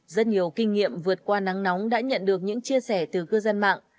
rất nhiều kinh nghiệm vượt qua nắng nóng đã nhận được những chia sẻ từ cư dân mạng